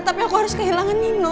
tapi aku harus kehilangan nino